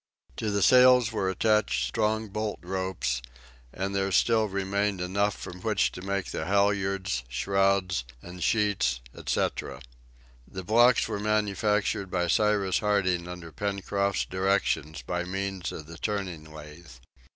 To the sails were attached strong bolt ropes, and there still remained enough from which to make the halyards, shrouds, and sheets, etc. The blocks were manufactured by Cyrus Harding under Pencroft's directions by means of the turning lathe.